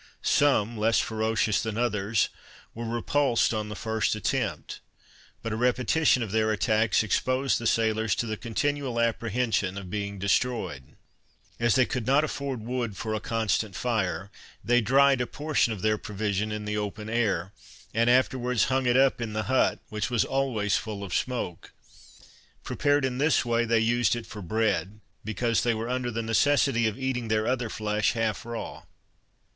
Some, less ferocious than others, were repulsed on the first attempt, but a repetition of their attacks exposed the sailors to the continual apprehension of being destroyed. As they could not afford wood for a constant fire, they dried a portion of their provision in the open air, and afterwards hung it up in the hut, which was always full of smoke. Prepared in this way, they used it for bread, because they were under the necessity of eating their other flesh half raw.